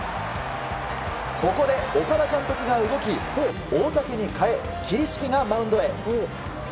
ここで岡田監督が動き大竹に代え桐敷がマウンドへ。